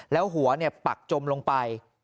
แล้วหัวปักจมลงไป